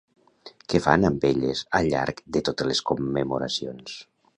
Què fan amb elles al llarg de totes les commemoracions?